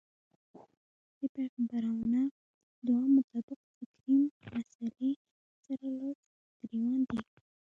دې پيغمبرانه دعا مطابق فکري مسئلې سره لاس و ګرېوان دی.